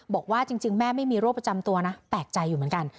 บอกว่าจริงแม่ไม่มีโรคประจำตัวนะแปลกใจอยู่เหมือนกัน